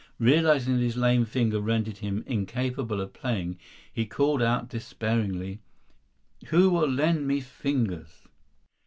Realizing that his lame finger rendered him incapable of playing, he called out despairingly: "Who will lend me fingers?"